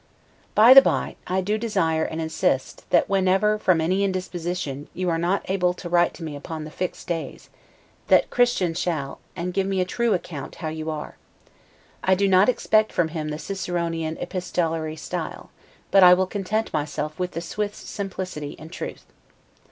By the way, I do desire, and insist, that whenever, from any indisposition, you are not able to write to me upon the fixed days, that Christian shall; and give me a TRUE account how you are. I do not expect from him the Ciceronian epistolary style; but I will content myself with the Swiss simplicity and truth.